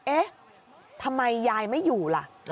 เอ๊ะทำไมยายไม่อยู่ล่ะ